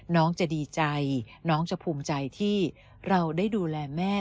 น้องจะดีใจน้องจะภูมิใจที่เราได้ดูแลแม่